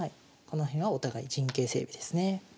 この辺はお互い陣形整備ですね。